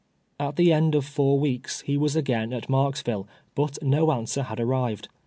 At the end of four weeks he was again at Marks ville, but no answer had arrived.